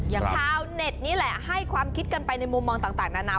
ชาวเน็ตนี่แหละให้ความคิดกันไปในมุมมองต่างนานา